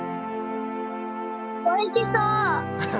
おいしそう！